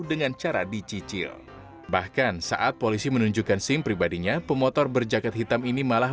dengan cara dicicil bahkan saat polisi menunjukkan sim pribadinya pemotor berjaket hitam ini malah